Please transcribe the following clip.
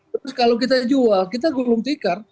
terus kalau kita jual kita gulung tikar